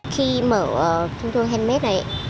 khi mở thương thương henmech ấy